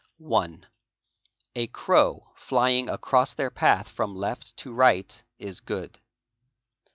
7 1. A crow flying across their path from left to right is good.